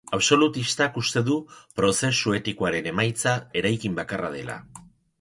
Absolutistak uste du prozesu etikoaren emaitza eraikin bakarra dela.